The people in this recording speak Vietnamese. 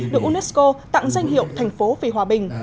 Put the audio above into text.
được unesco tặng danh hiệu thành phố vì hòa bình